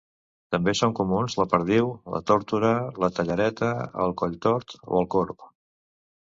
També són comuns la perdiu, la tórtora, la tallareta, el colltort o el corb.